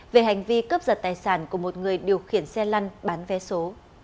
về hành vi cướp giật tài sản của một người điều khiển xe lăn bán vé số